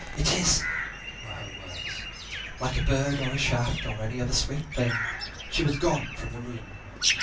"It is!" were her words. Like a bird or a shaft, or any other swift thing, she was gone from the room.